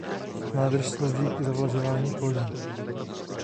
Nádrž slouží k zavlažování polí.